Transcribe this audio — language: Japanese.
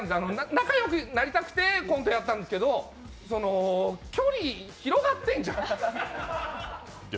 仲良くやりたくて今回やったんですけれども距離広がってんじゃん。